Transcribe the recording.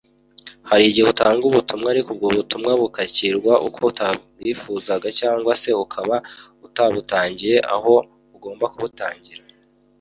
hari igihe utanga ubutumwa ariko ubwo butumwa bukakirwa uko utabyifuzaga cyangwa se ukaba utabutangiye aho ugomba kubutangira